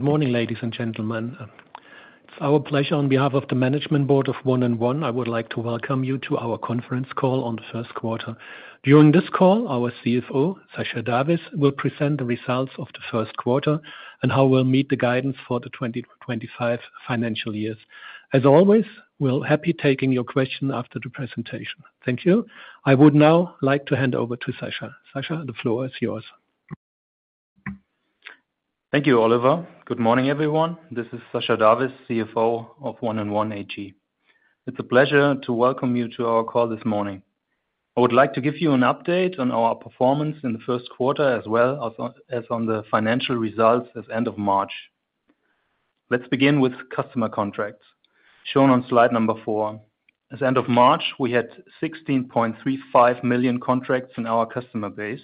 Good morning, ladies and gentlemen. It is our pleasure, on behalf of the Management Board of 1&1, I would like to welcome you to our conference call on the first quarter. During this call, our CFO, Sascha D'Avis, will present the results of the first quarter and how we will meet the guidance for the 2025 financial years. As always, we are happy taking your questions after the presentation. Thank you. I would now like to hand over to Sascha. Sascha, the floor is yours. Thank you, Oliver. Good morning, everyone. This is Sascha D'Avis, CFO of 1&1 AG. It's a pleasure to welcome you to our call this morning. I would like to give you an update on our performance in the first quarter as well as on the financial results as end of March. Let's begin with customer contracts shown on slide number four. As end of March, we had 16.35 million contracts in our customer base,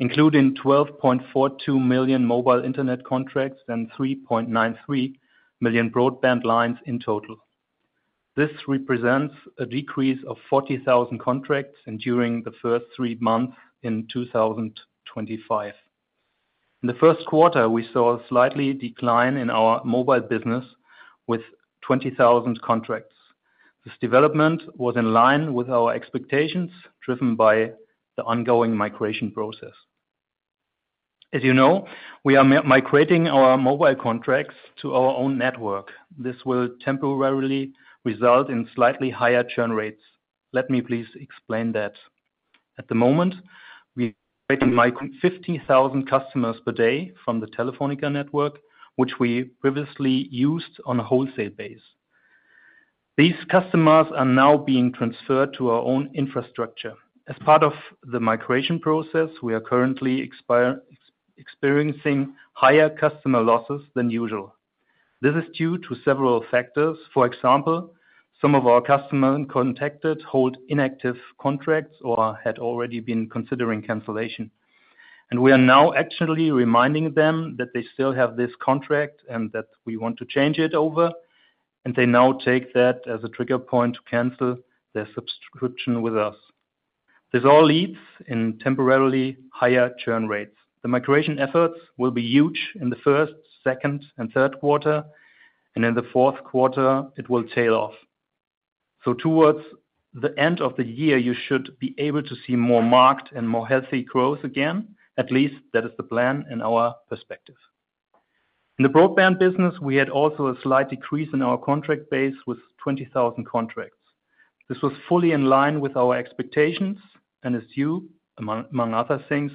including 12.42 million mobile internet contracts and 3.93 million broadband lines in total. This represents a decrease of 40,000 contracts during the first three months in 2025. In the first quarter, we saw a slightly decline in our mobile business with 20,000 contracts. This development was in line with our expectations, driven by the ongoing migration process. As you know, we are migrating our mobile contracts to our own network. This will temporarily result in slightly higher churn rates. Let me please explain that. At the moment, we are migrating 50,000 customers per day from the Telefónica network, which we previously used on a wholesale base. These customers are now being transferred to our own infrastructure. As part of the migration process, we are currently experiencing higher customer losses than usual. This is due to several factors. For example, some of our customers and contacts hold inactive contracts or had already been considering cancellation. We are now actually reminding them that they still have this contract and that we want to change it over, and they now take that as a trigger point to cancel their subscription with us. This all leads to temporarily higher churn rates. The migration efforts will be huge in the first, second, and third quarter, and in the fourth quarter, it will tail off. Towards the end of the year, you should be able to see more marked and more healthy growth again. At least, that is the plan in our perspective. In the broadband business, we had also a slight decrease in our contract base with 20,000 contracts. This was fully in line with our expectations and is due, among other things,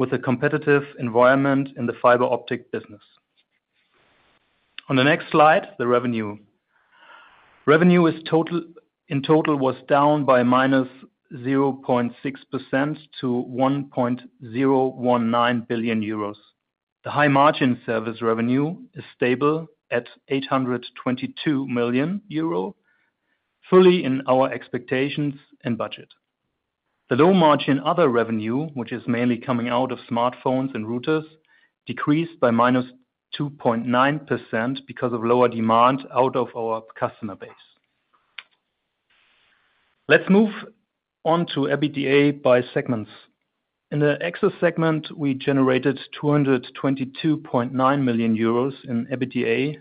to a competitive environment in the fiber optic business. On the next slide, the revenue. Revenue in total was down by -0.6% to 1.019 billion euros. The high margin service revenue is stable at 822 million euro, fully in our expectations and budget. The low margin other revenue, which is mainly coming out of smartphones and routers, decreased by -2.9% because of lower demand out of our customer base. Let's move on to EBITDA by segments. In the exit segment, we generated 222.9 million euros in EBITDA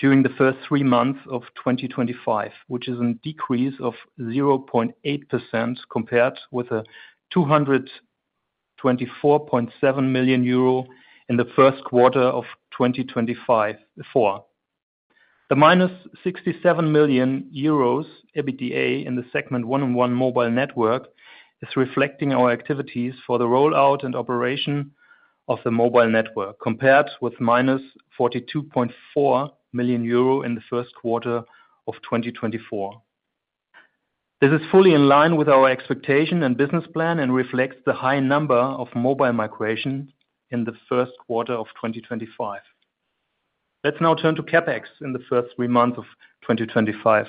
during the first three months of 2025, which is a decrease of 0.8% compared with 224.7 million euro in the first quarter of 2024. The -67 million euros EBITDA in the segment 1&1 mobile network is reflecting our activities for the rollout and operation of the mobile network, compared with -42.4 million euro in the first quarter of 2024. This is fully in line with our expectation and business plan and reflects the high number of mobile migrations in the first quarter of 2025. Let's now turn to CapEx in the first three months of 2025.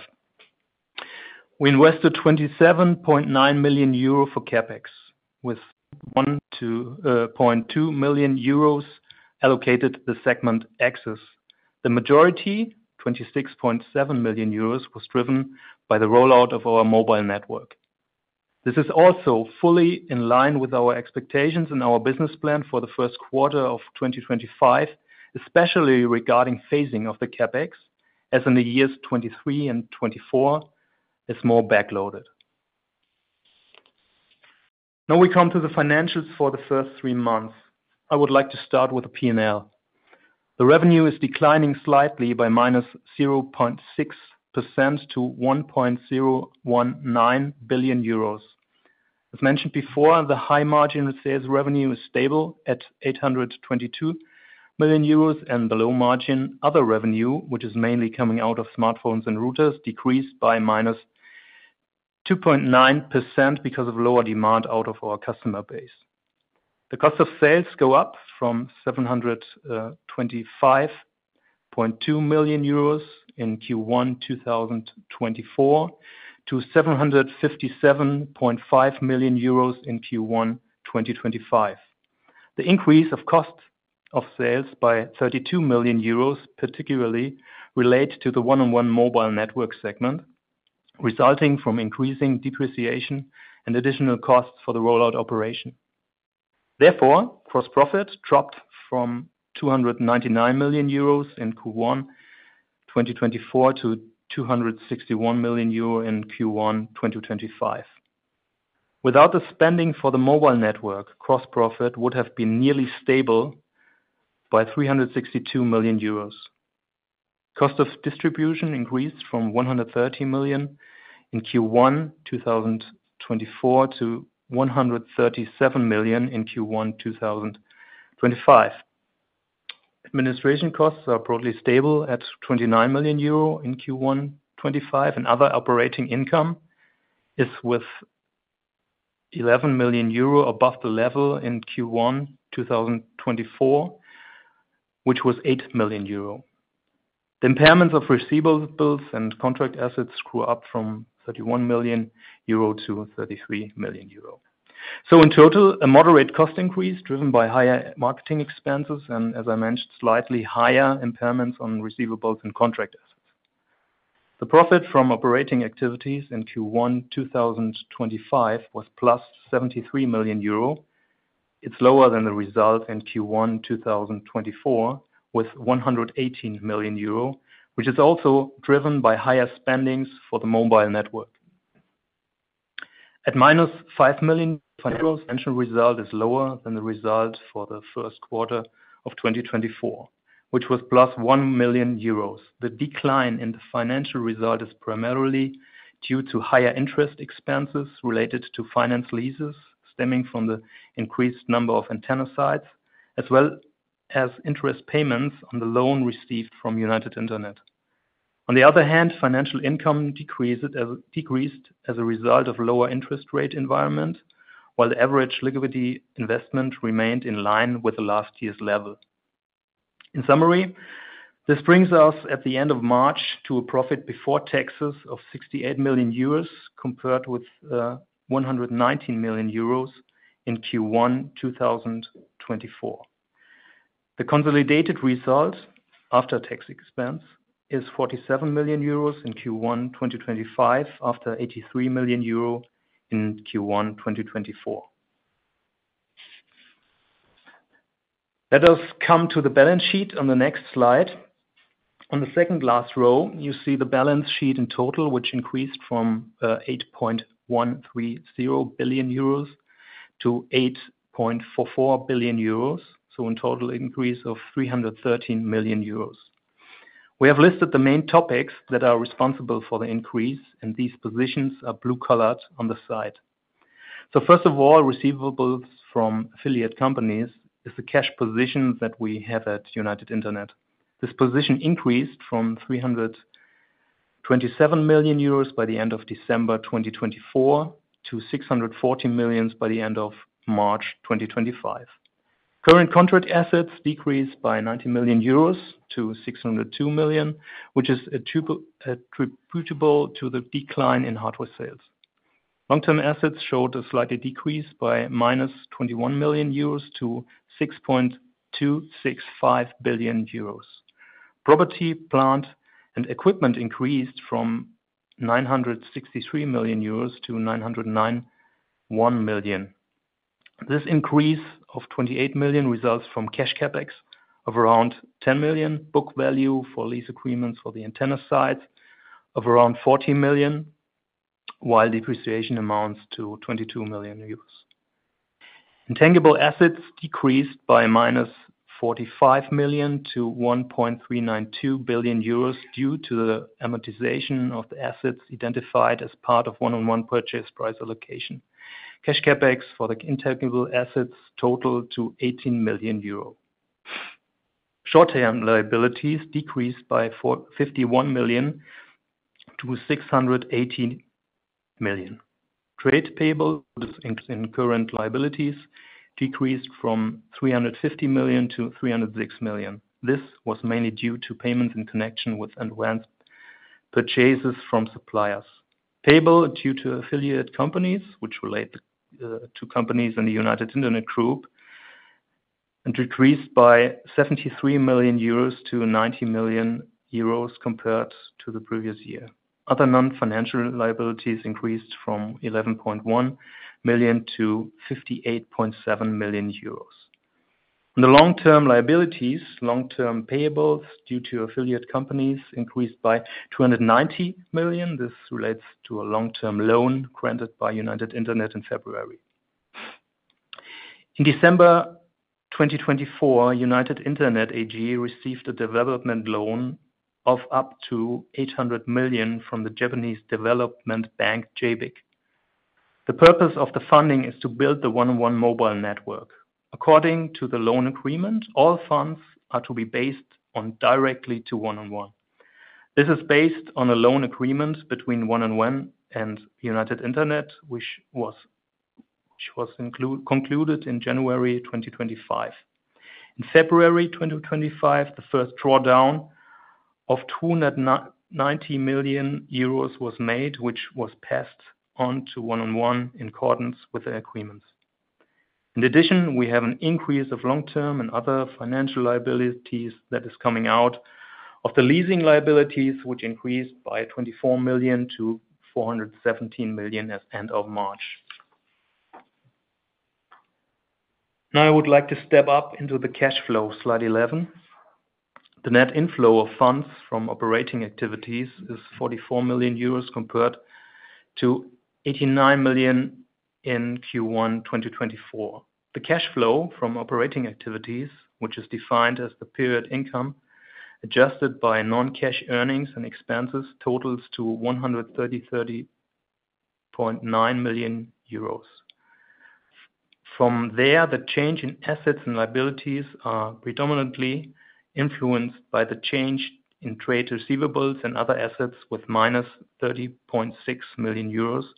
We invested 27.9 million euro for CapEx, with 1.2 million euros allocated to the segment exits. The majority, 26.7 million euros, was driven by the rollout of our mobile network. This is also fully in line with our expectations and our business plan for the first quarter of 2025, especially regarding phasing of the CapEx, as in the years 2023 and 2024 is more backloaded. Now we come to the financials for the first three months. I would like to start with the P&L. The revenue is declining slightly by -0.6% to 1.019 billion euros. As mentioned before, the high margin sales revenue is stable at 822 million euros, and the low margin other revenue, which is mainly coming out of smartphones and routers, decreased by -2.9% because of lower demand out of our customer base. The cost of sales go up from 725.2 million euros in Q1 2024 to 757.5 million euros in Q1 2025. The increase of cost of sales by 32 million euros particularly relates to the 1&1 Mobile Network segment, resulting from increasing depreciation and additional costs for the rollout operation. Therefore, gross profit dropped from 299 million euros in Q1 2024 to 261 million euro in Q1 2025. Without the spending for the mobile network, gross profit would have been nearly stable by 362 million euros. Cost of distribution increased from 130 million in Q1 2024 to 137 million in Q1 2025. Administration costs are broadly stable at 29 million euro in Q1 2025, and other operating income is with 11 million euro above the level in Q1 2024, which was 8 million euro. The impairments of receivables and contract assets grew up from 31 million euro to 33 million euro. In total, a moderate cost increase driven by higher marketing expenses and, as I mentioned, slightly higher impairments on receivables and contract assets. The profit from operating activities in Q1 2025 was +73 million euro. It's lower than the result in Q1 2024, with 118 million euro, which is also driven by higher spendings for the mobile network. At -5 million, the financial result is lower than the result for the first quarter of 2024, which was +1 million euros. The decline in the financial result is primarily due to higher interest expenses related to finance leases stemming from the increased number of antenna sites, as well as interest payments on the loan received from United Internet. On the other hand, financial income decreased as a result of the lower interest rate environment, while the average liquidity investment remained in line with last year's level. In summary, this brings us at the end of March to a profit before taxes of 68 million euros compared with 119 million euros in Q1 2024. The consolidated result after tax expense is 47 million euros in Q1 2025 after 83 million euro in Q1 2024. Let us come to the balance sheet on the next slide. On the second last row, you see the balance sheet in total, which increased from 8.130 billion euros to 8.44 billion euros, so in total an increase of 313 million euros. We have listed the main topics that are responsible for the increase, and these positions are blue-colored on the side. First of all, receivables from affiliate companies is the cash position that we have at United Internet. This position increased from 327 million euros by the end of December 2024 to 640 million by the end of March 2025. Current contract assets decreased by 90 million euros to 602 million, which is attributable to the decline in hardware sales. Long-term assets showed a slight decrease by -21 million euros to 6.265 billion euros. Property, plant, and equipment increased from 963 million euros to 909.1 million. This increase of 28 million results from cash CapEx of around 10 million, book value for lease agreements for the antenna sites of around 40 million, while depreciation amounts to 22 million euros. Intangible assets decreased by -45 million to 1.392 billion euros due to the amortization of the assets identified as part of 1&1 purchase price allocation. Cash CapEx for the intangible assets totaled to 18 million euro. Short-term liabilities decreased by 51 million to 618 million. Trade payables and current liabilities decreased from 350 million to 306 million. This was mainly due to payments in connection with advanced purchases from suppliers. Payable due to affiliate companies, which relate to companies in the United Internet Group, decreased by 73 million euros to 90 million euros compared to the previous year. Other non-financial liabilities increased from 11.1 million to 58.7 million euros. In the long-term liabilities, long-term payables due to affiliate companies increased by 290 million. This relates to a long-term loan granted by United Internet in February. In December 2024, United Internet AG received a development loan of up to 800 million from the Japanese development bank, JBIC. The purpose of the funding is to build the 1&1 mobile network. According to the loan agreement, all funds are to be based directly on 1&1. This is based on a loan agreement between 1&1 and United Internet, which was concluded in January 2025. In February 2025, the first drawdown of 290 million euros was made, which was passed on to 1&1 in accordance with the agreements. In addition, we have an increase of long-term and other financial liabilities that is coming out of the leasing liabilities, which increased by 24 million to 417 million at the end of March. Now, I would like to step up into the cash flow slide 11. The net inflow of funds from operating activities is 44 million euros compared to 89 million in Q1 2024. The cash flow from operating activities, which is defined as the period income adjusted by non-cash earnings and expenses, totals to 133.9 million euros. From there, the change in assets and liabilities is predominantly influenced by the change in trade receivables and other assets with -30.6 million euros. The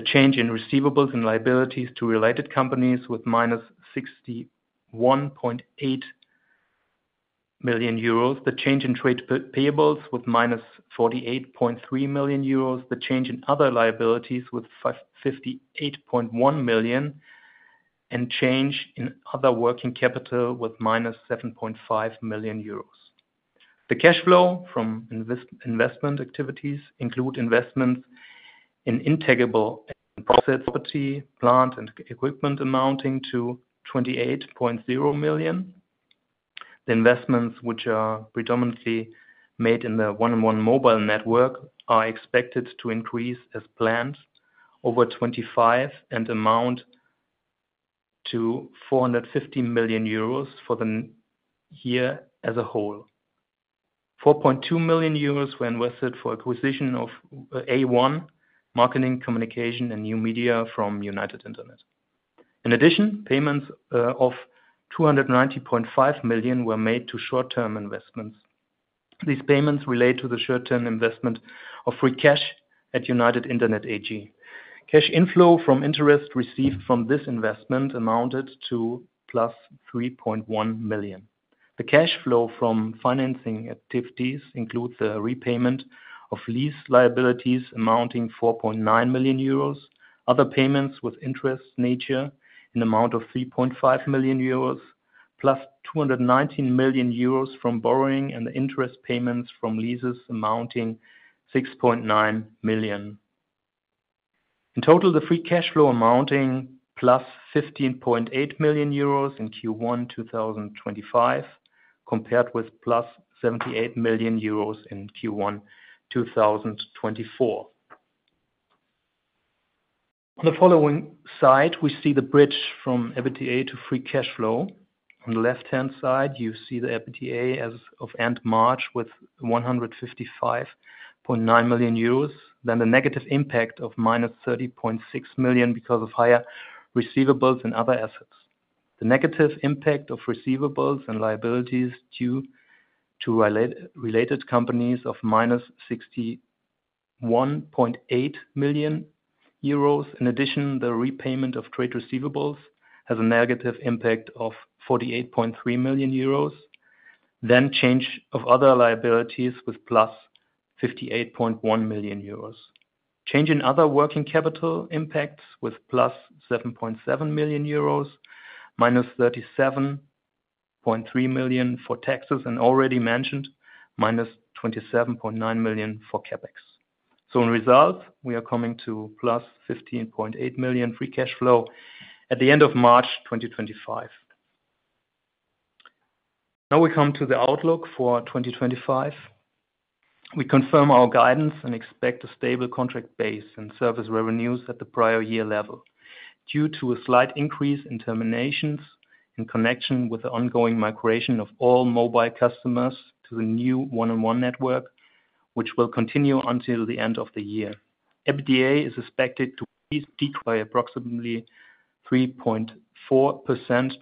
change in receivables and liabilities to related companies with -61.8 million euros. The change in trade payables with -48.3 million euros. The change in other liabilities with 58.1 million and change in other working capital with -7.5 million euros. The cash flow from investment activities includes investments in intangible assets, property, plant, and equipment amounting to 28.0 million. The investments, which are predominantly made in the 1&1 mobile network, are expected to increase as planned over 2025 and amount to 450 million euros for the year as a whole. 4.2 million euros were invested for acquisition of A1 marketing communication and new media from United Internet. In addition, payments of 290.5 million were made to short-term investments. These payments relate to the short-term investment of free cash at United Internet AG. Cash inflow from interest received from this investment amounted to +3.1 million. The cash flow from financing activities includes the repayment of lease liabilities amounting to 4.9 million euros, other payments with interest nature in the amount of 3.5 million euros, plus 219 million euros from borrowing and the interest payments from leases amounting to 6.9 million. In total, the free cash flow amounting to +15.8 million euros in Q1 2025 compared with EUR +78 million in Q1 2024. On the following slide, we see the bridge from EBITDA to free cash flow. On the left-hand side, you see the EBITDA as of end March with 155.9 million euros, then the negative impact of -30.6 million because of higher receivables and other assets. The negative impact of receivables and liabilities due to related companies is of -61.8 million euros. In addition, the repayment of trade receivables has a negative impact of 48.3 million euros, then change of other liabilities with +58.1 million euros. Change in other working capital impacts with +7.7 million euros, -37.3 million for taxes and already mentioned -27.9 million for CapEx. In result, we are coming to +15.8 million free cash flow at the end of March 2025. Now we come to the outlook for 2025. We confirm our guidance and expect a stable contract base and service revenues at the prior year level due to a slight increase in terminations in connection with the ongoing migration of all mobile customers to the new 1&1 network, which will continue until the end of the year. EBITDA is expected to decrease by approximately 3.4%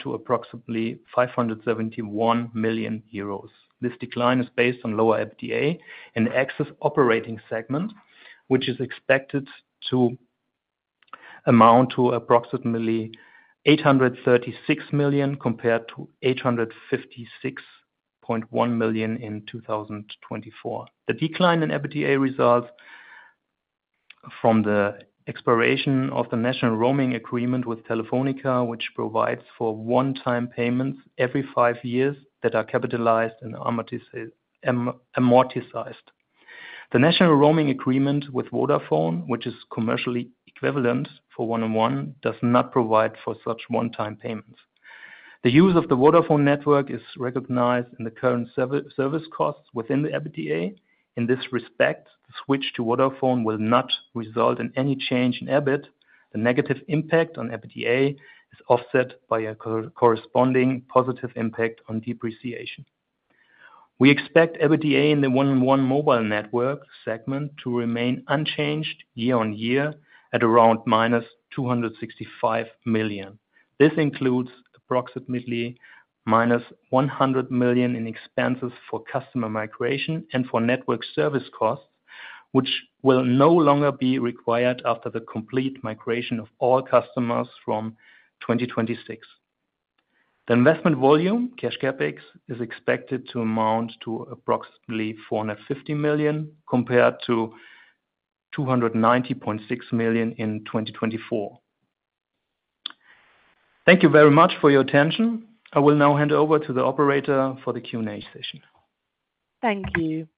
to approximately 571 million euros. This decline is based on lower EBITDA in excess operating segment, which is expected to amount to approximately 836 million compared to 856.1 million in 2024. The decline in EBITDA results from the expiration of the national roaming agreement with Telefónica, which provides for one-time payments every five years that are capitalized and amortized. The national roaming agreement with Vodafone, which is commercially equivalent for 1&1, does not provide for such one-time payments. The use of the Vodafone network is recognized in the current service costs within the EBITDA. In this respect, the switch to Vodafone will not result in any change in EBIT. The negative impact on EBITDA is offset by a corresponding positive impact on depreciation. We expect EBITDA in the 1&1 Mobile Network segment to remain unchanged year on year at around -265 million. This includes approximately -100 million in expenses for customer migration and for network service costs, which will no longer be required after the complete migration of all customers from 2026. The investment volume, cash CapEx, is expected to amount to approximately 450 million compared to 290.6 million in 2024. Thank you very much for your attention. I will now hand over to the operator for the Q&A session. Thank you.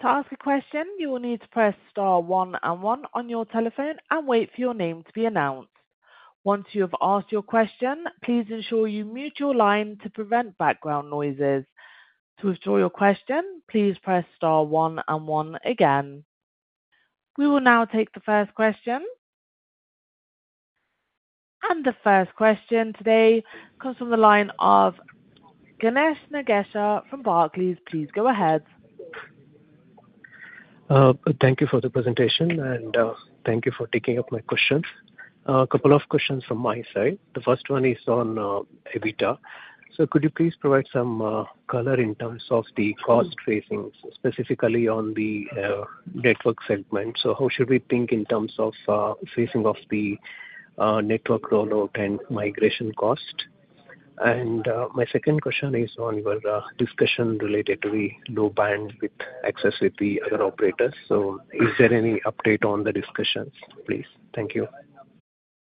To ask a question, you will need to press star one and one on your telephone and wait for your name to be announced. Once you have asked your question, please ensure you mute your line to prevent background noises. To withdraw your question, please press star one and one again. We will now take the first question. The first question today comes from the line of Ganesha Nagesha from Barclays. Please go ahead. Thank you for the presentation, and thank you for taking up my questions. A couple of questions from my side. The first one is on EBITDA. Could you please provide some color in terms of the cost phasing, specifically on the network segment? How should we think in terms of phasing of the network rollout and migration cost? My second question is on your discussion related to the low bandwidth access with the other operators. Is there any update on the discussions, please? Thank you.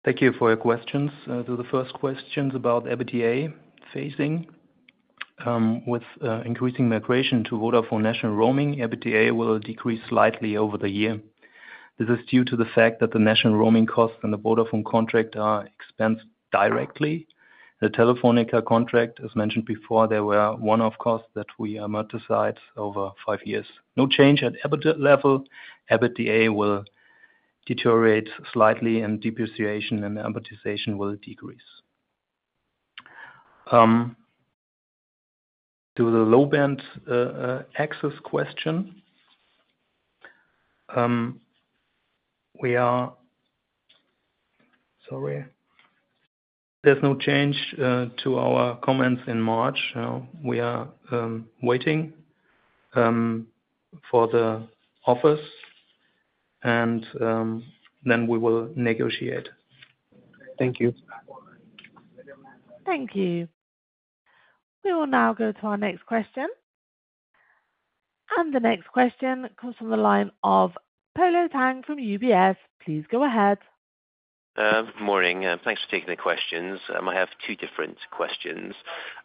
Thank you for your questions. The first question is about EBITDA phasing. With increasing migration to Vodafone national roaming, EBITDA will decrease slightly over the year. This is due to the fact that the national roaming costs and the Vodafone contract are expensed directly. The Telefónica contract, as mentioned before, there were one-off costs that we amortized over five years. No change at EBITDA level. EBITDA will deteriorate slightly, and depreciation and amortization will decrease. To the low band access question, we are sorry. There is no change to our comments in March. We are waiting for the offers, and then we will negotiate. Thank you. Thank you. We will now go to our next question. The next question comes from the line of Polo Tang from UBS. Please go ahead. Good morning. Thanks for taking the questions. I have two different questions.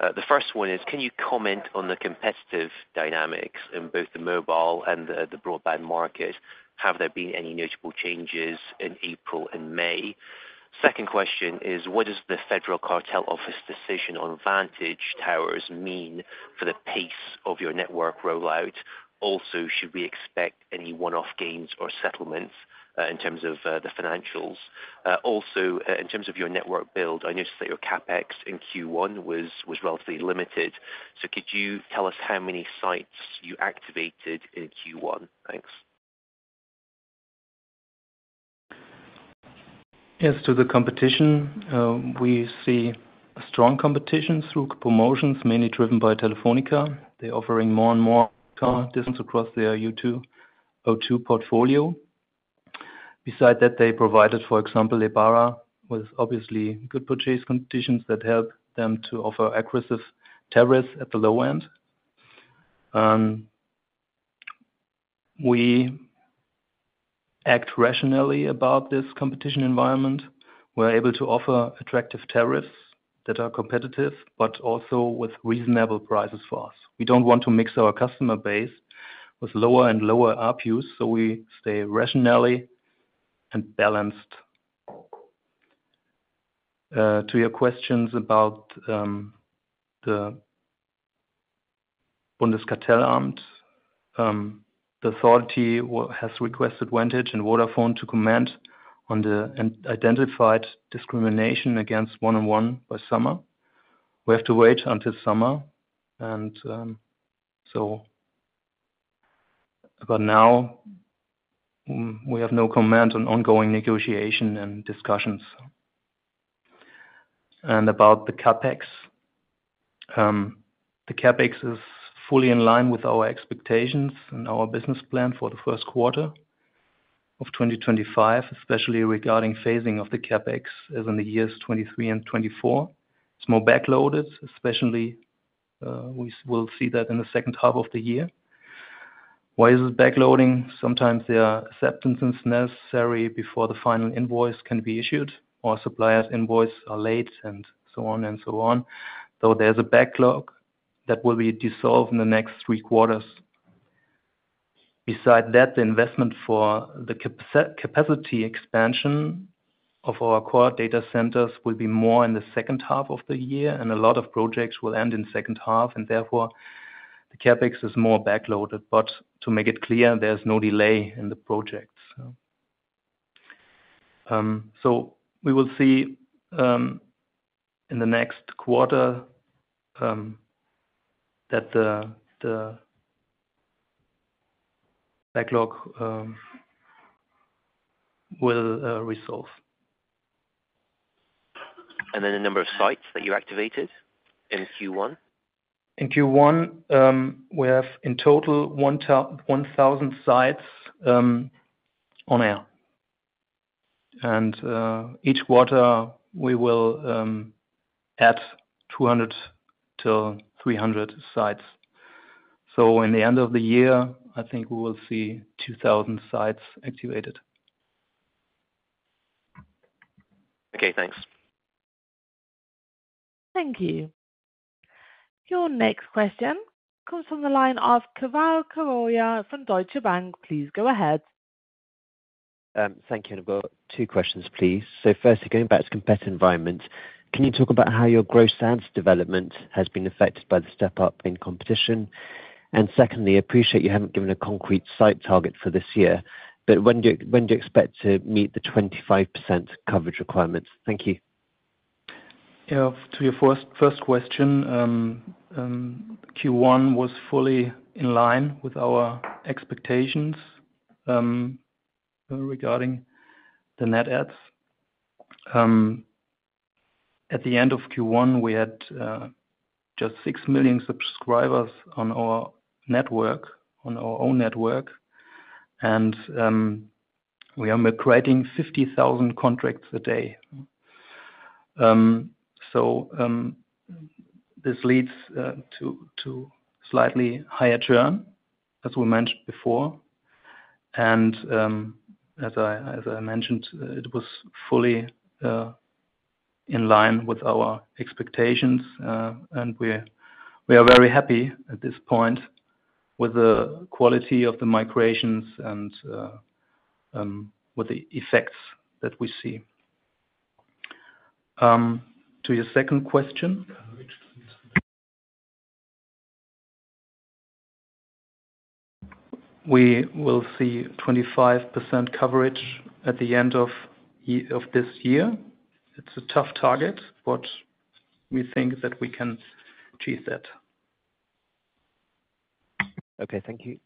The first one is, can you comment on the competitive dynamics in both the mobile and the broadband market? Have there been any notable changes in April and May? Second question is, what does the Federal Cartel Office decision on Vantage Towers mean for the pace of your network rollout? Also, should we expect any one-off gains or settlements in terms of the financials? Also, in terms of your network build, I noticed that your CapEx in Q1 was relatively limited. Could you tell us how many sites you activated in Q1? Thanks. As to the competition, we see strong competition through promotions, mainly driven by Telefónica. They're offering more and more across their O2 portfolio. Beside that, they provided, for example, Ibarra, with obviously good purchase conditions that help them to offer aggressive tariffs at the low end. We act rationally about this competition environment. We're able to offer attractive tariffs that are competitive, but also with reasonable prices for us. We do not want to mix our customer base with lower and lower RPUs, so we stay rationally and balanced. To your questions about the Bundeskartellamt, the authority has requested Vantage and Vodafone to comment on the identified discrimination against 1&1 by summer. We have to wait until summer. For now, we have no comment on ongoing negotiation and discussions. About the CapEx, the CapEx is fully in line with our expectations and our business plan for the first quarter of 2025, especially regarding phasing of the CapEx as in the years 2023 and 2024. It is more backloaded, especially we will see that in the second half of the year. Why is it backloading? Sometimes there are acceptances necessary before the final invoice can be issued, or suppliers' invoices are late, and so on and so on, though there is a backlog that will be dissolved in the next three quarters. Beside that, the investment for the capacity expansion of our core data centers will be more in the second half of the year, and a lot of projects will end in the second half. Therefore, the CapEx is more backloaded. To make it clear, there is no delay in the projects. We will see in the next quarter that the backlog will resolve. And then the number of sites that you activated in Q1? In Q1, we have in total 1,000 sites on air. Each quarter, we will add 200-300 sites. In the end of the year, I think we will see 2,000 sites activated. Okay, thanks. Thank you. Your next question comes from the line of Keval Khiroya from Deutsche Bank. Please go ahead. Thank you. And I've got two questions, please. Firstly, going back to competitive environment, can you talk about how your growth stance development has been affected by the step-up in competition? Secondly, I appreciate you haven't given a concrete site target for this year, but when do you expect to meet the 25% coverage requirements? Thank you. To your first question, Q1 was fully in line with our expectations regarding the net adds. At the end of Q1, we had just 6 million subscribers on our network, on our own network, and we are creating 50,000 contracts a day. This leads to slightly higher churn, as we mentioned before. As I mentioned, it was fully in line with our expectations, and we are very happy at this point with the quality of the migrations and with the effects that we see. To your second question, we will see 25% coverage at the end of this year. It is a tough target, but we think that we can achieve that. Okay, thank you.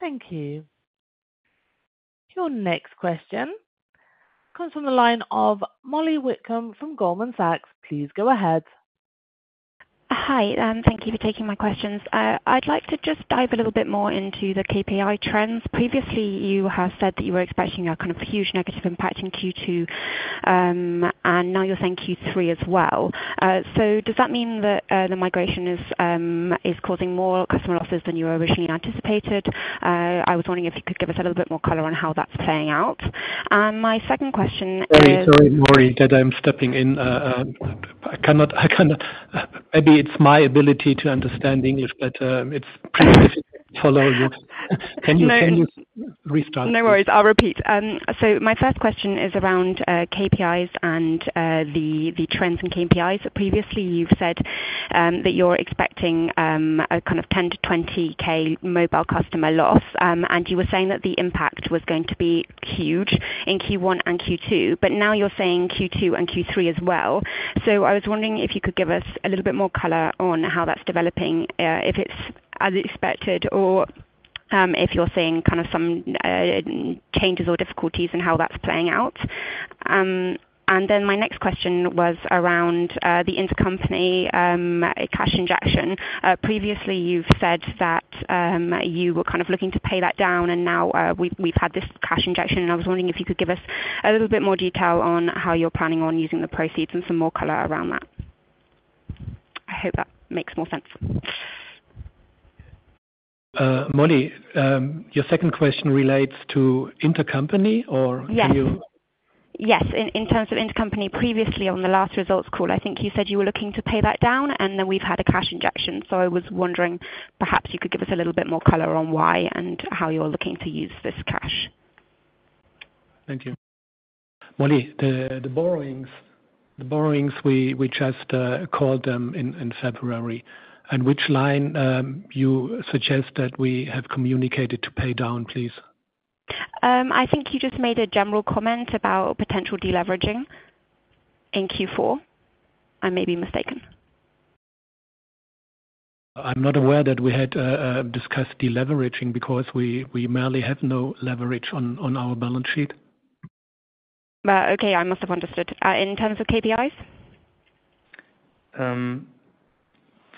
Thank you. Your next question comes from the line of Mollie Witcombe from Goldman Sachs. Please go ahead. Hi, thank you for taking my questions. I would like to just dive a little bit more into the KPI trends. Previously, you have said that you were expecting a kind of huge negative impact in Q2, and now you are saying Q3 as well. Does that mean that the migration is causing more customer losses than you originally anticipated? I was wondering if you could give us a little bit more color on how that's playing out. My second question is, sorry, sorry, Mollie, that I'm stepping in. I cannot—maybe it's my ability to understand English, but it's pretty difficult to follow you. Can you restart? No worries. I'll repeat. My first question is around KPIs and the trends in KPIs. Previously, you've said that you're expecting a kind of 10,000-20,000 mobile customer loss, and you were saying that the impact was going to be huge in Q1 and Q2, but now you're saying Q2 and Q3 as well. I was wondering if you could give us a little bit more color on how that's developing, if it's unexpected, or if you're seeing kind of some changes or difficulties and how that's playing out. My next question was around the intercompany cash injection. Previously, you have said that you were kind of looking to pay that down, and now we have had this cash injection. I was wondering if you could give us a little bit more detail on how you are planning on using the proceeds and some more color around that. I hope that makes more sense. Mollie, your second question relates to intercompany or do you? Yes, in terms of intercompany. Previously, on the last results call, I think you said you were looking to pay that down, and then we have had a cash injection. I was wondering perhaps you could give us a little bit more color on why and how you are looking to use this cash. Thank you. Mollie, the borrowings, we just called them in February. Which line do you suggest that we have communicated to pay down, please? I think you just made a general comment about potential deleveraging in Q4. I may be mistaken. I'm not aware that we had discussed deleveraging because we merely have no leverage on our balance sheet. Okay, I must have misunderstood. In terms of KPIs? For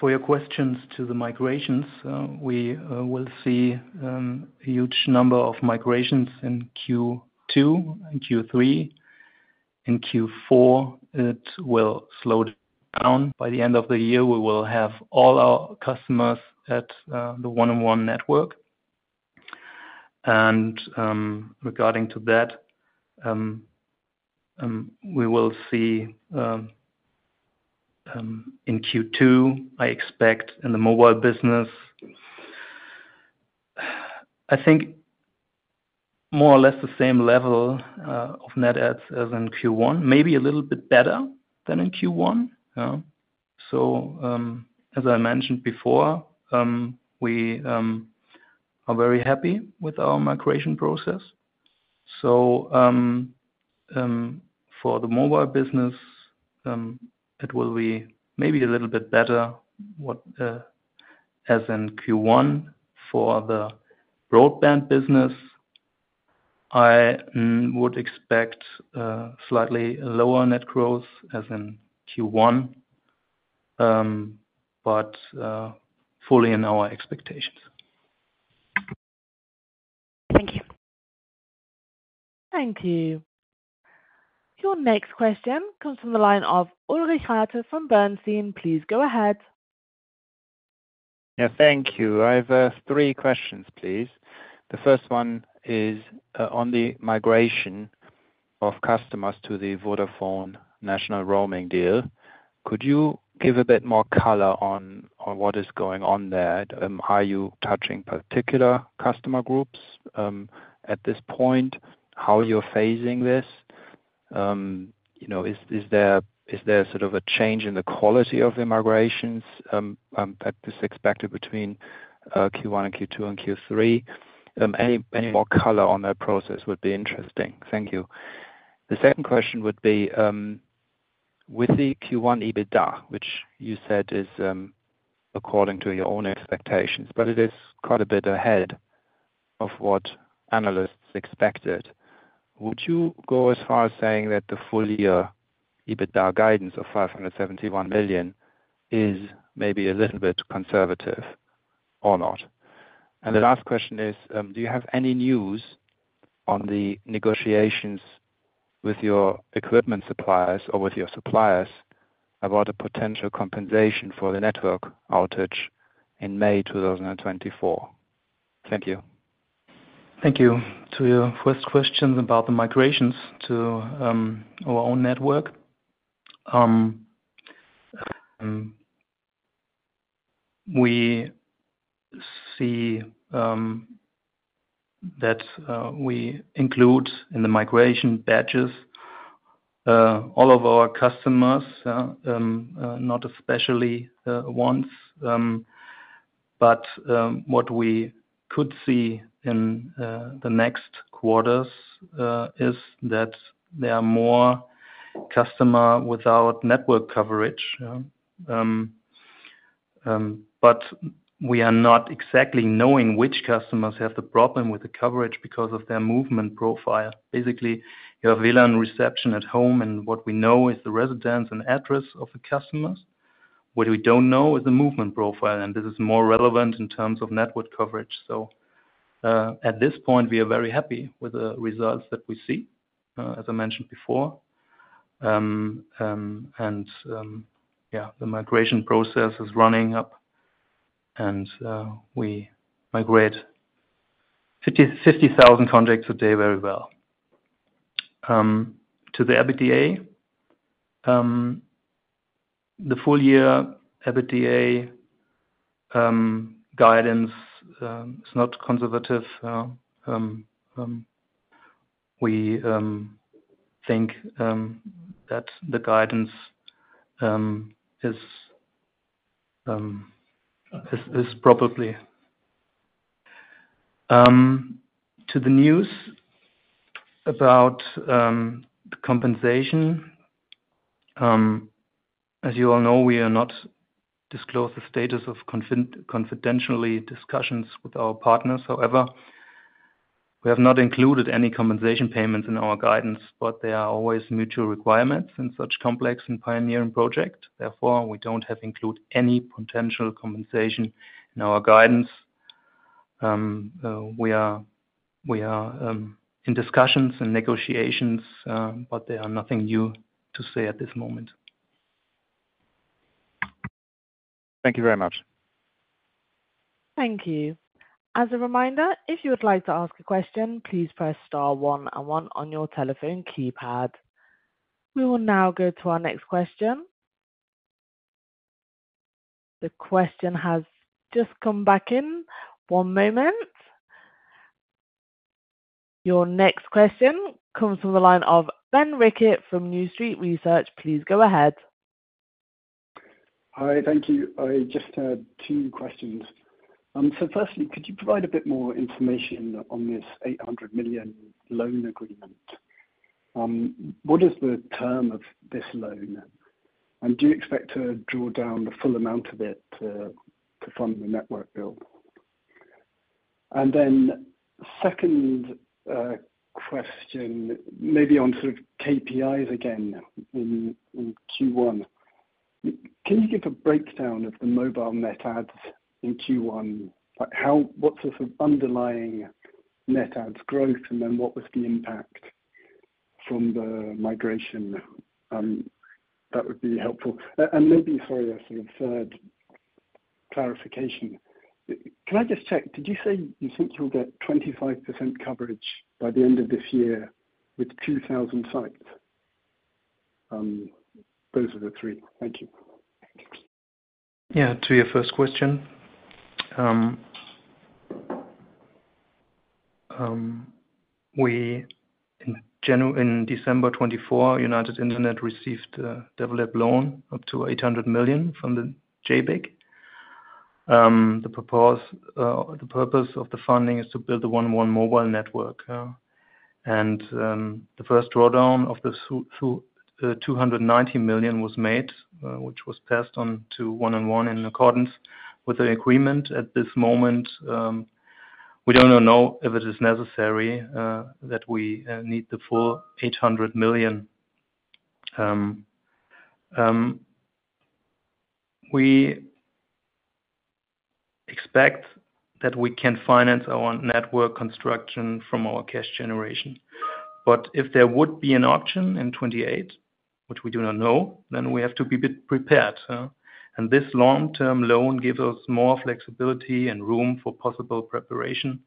your questions to the migrations, we will see a huge number of migrations in Q2 and Q3. In Q4, it will slow down. By the end of the year, we will have all our customers at the 1&1 network. Regarding that, we will see in Q2, I expect, in the mobile business, I think more or less the same level of net adds as in Q1, maybe a little bit better than in Q1. As I mentioned before, we are very happy with our migration process. For the mobile business, it will be maybe a little bit better as in Q1. For the broadband business, I would expect slightly lower net growth as in Q1, but fully in our expectations. Thank you. Thank you. Your next question comes from the line of Ulrich Rathe from Bernstein. Please go ahead. Yeah, thank you. I have three questions, please. The first one is on the migration of customers to the Vodafone national roaming deal. Could you give a bit more color on what is going on there? Are you touching particular customer groups at this point? How are you phasing this? Is there sort of a change in the quality of immigrations that is expected between Q1 and Q2 and Q3? Any more color on that process would be interesting. Thank you. The second question would be, with the Q1 EBITDA, which you said is according to your own expectations, but it is quite a bit ahead of what analysts expected. Would you go as far as saying that the full-year EBITDA guidance of 571 million is maybe a little bit conservative or not? The last question is, do you have any news on the negotiations with your equipment suppliers or with your suppliers about a potential compensation for the network outage in May 2024? Thank you. Thank you. To your first question about the migrations to our own network, we see that we include in the migration batches all of our customers, not especially ones. What we could see in the next quarters is that there are more customers without network coverage. We are not exactly knowing which customers have the problem with the coverage because of their movement profile. Basically, you have VLAN reception at home, and what we know is the residence and address of the customers. What we do not know is the movement profile, and this is more relevant in terms of network coverage. At this point, we are very happy with the results that we see, as I mentioned before. Yeah, the migration process is running up, and we migrate 50,000 contracts a day very well. To the EBITDA, the full-year EBITDA guidance is not conservative. We think that the guidance is probably. To the news about compensation, as you all know, we have not disclosed the status of confidentiality discussions with our partners. However, we have not included any compensation payments in our guidance, but there are always mutual requirements in such complex and pioneering projects. Therefore, we do not have to include any potential compensation in our guidance. We are in discussions and negotiations, but there is nothing new to say at this moment. Thank you very much. Thank you. As a reminder, if you would like to ask a question, please press star one and one on your telephone keypad. We will now go to our next question. The question has just come back in. One moment. Your next question comes from the line of Ben Rickett from New Street Research. Please go ahead. Hi, thank you. I just had two questions. Firstly, could you provide a bit more information on this 800 million loan agreement? What is the term of this loan? Do you expect to draw down the full amount of it to fund the network build? Second question, maybe on sort of KPIs again in Q1. Can you give a breakdown of the mobile net adds in Q1? What's the sort of underlying net adds growth, and what was the impact from the migration? That would be helpful. Maybe, sorry, a sort of third clarification. Can I just check? Did you say you think you'll get 25% coverage by the end of this year with 2,000 sites? Those are the three. Thank you. Yeah, to your first question, in December 2024, United Internet received a development loan up to 800 million from JBIC. The purpose of the funding is to build the 1&1 mobile network. The first drawdown of the 290 million was made, which was passed on to 1&1 in accordance with the agreement. At this moment, we do not know if it is necessary that we need the full 800 million. We expect that we can finance our network construction from our cash generation. If there would be an auction in 2028, which we do not know, we have to be prepared. This long-term loan gives us more flexibility and room for possible preparation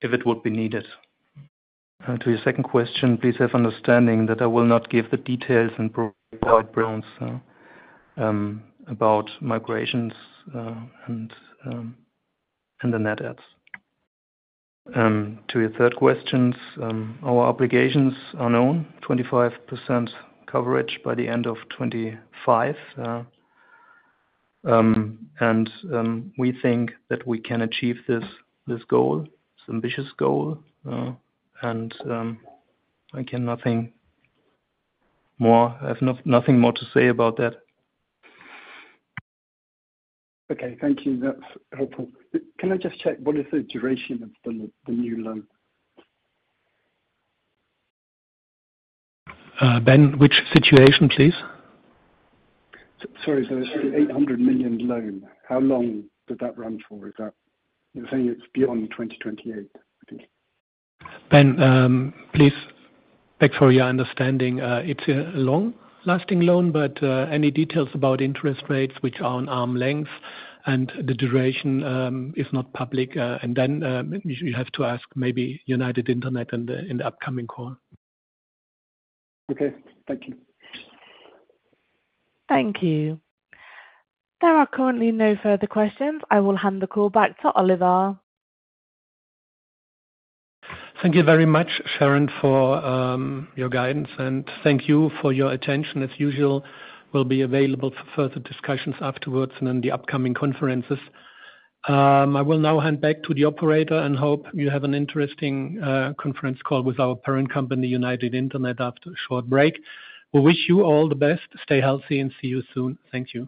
if it would be needed. To your second question, please have understanding that I will not give the details and provide grounds about migrations and the net adds. To your third question, our obligations are known: 25% coverage by the end of 2025. We think that we can achieve this goal, this ambitious goal. I have nothing more to say about that. Okay, thank you. That's helpful. Can I just check? What is the duration of the new loan? Ben, which situation, please? Sorry, so it's the 800 million loan. How long did that run for? You're saying it's beyond 2028, I think. Ben, please beg for your understanding. It's a long-lasting loan, but any details about interest rates, which are on arm's length, and the duration is not public. You have to ask maybe United Internet in the upcoming call. Okay, thank you. Thank you. There are currently no further questions. I will hand the call back to Oliver. Thank you very much, Sharon, for your guidance. Thank you for your attention. As usual, we'll be available for further discussions afterwards and in the upcoming conferences. I will now hand back to the operator and hope you have an interesting conference call with our parent company, United Internet, after a short break. We wish you all the best. Stay healthy and see you soon. Thank you.